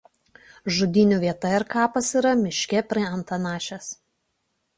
Žudynių vieta ir kapas yra miške prie Antanašės.